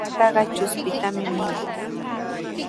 Patrkaqa chushpitami mikun.